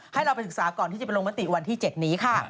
ให้เราไปศึกษาก่อนที่จะไปลงมติวันที่๗นี้ค่ะ